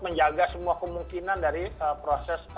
menjaga semua kemungkinan dari proses